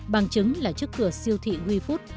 bằng chứng là trước cửa siêu thị wefood